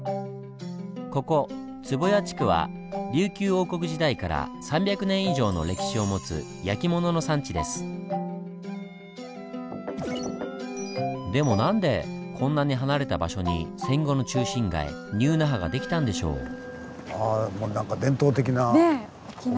ここ壺屋地区は琉球王国時代から３００年以上の歴史を持つでも何でこんなに離れた場所に戦後の中心街ニュー那覇が出来たんでしょう？